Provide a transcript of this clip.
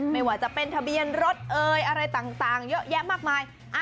ไม่ว่าจะเป็นทะเบียนรถเอ่ยอะไรต่างเยอะแยะมากมาย